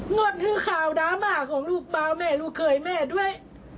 นวดคือข่าวดราม่าของลูกเบาแม่ลูกเขยแม่ด้วย